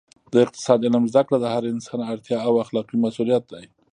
د اقتصاد علم زده کړه د هر انسان اړتیا او اخلاقي مسوولیت دی